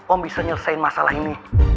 om bisa nyelesain masalah ini